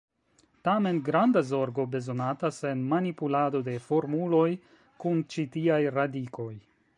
Tamen, granda zorgo bezonatas en manipulado de formuloj kun ĉi tiaj radikoj.